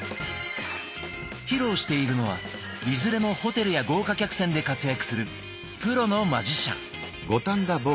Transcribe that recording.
披露しているのはいずれもホテルや豪華客船で活躍するプロのマジシャン。